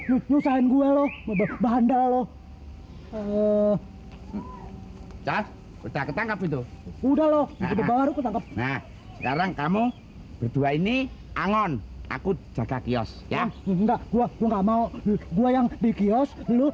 udah lho sekarang kamu berdua ini angon aku jatah kiosk ya enggak gua gua yang di kiosk lu